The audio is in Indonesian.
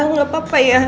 gak apa apa ya